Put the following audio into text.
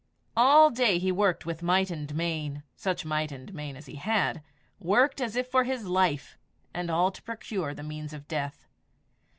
All day he worked with might and main, such might and main as he had worked as if for his life, and all to procure the means of death.